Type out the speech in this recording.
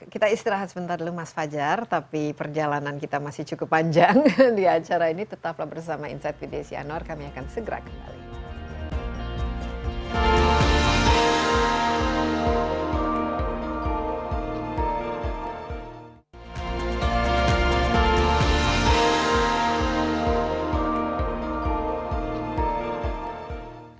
kita istirahat sebentar dulu mas fajar tapi perjalanan kita masih cukup panjang di acara ini tetaplah bersama insight with desy anwar kami akan segera kembali